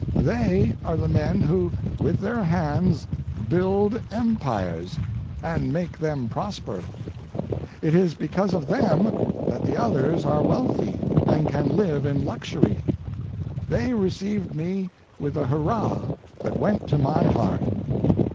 They are the men who with their hands build empires and make them prosper. It is because of them that the others are wealthy and can live in luxury. They received me with a "Hurrah!" that went to my heart.